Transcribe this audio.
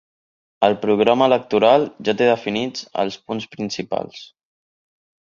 El programa electoral ja té definits els punts principals.